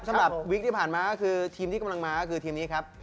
สำหรับวิกที่ผ่านมาคือทีมที่กำลังมาคือทีมนี้ครับ